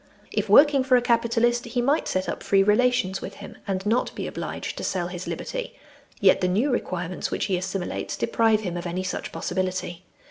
If working for a capitalist, he might set up free relations with him, and not be obliged to sell his liberty, yet the new requirements which he assimilates deprive him of any such possibility.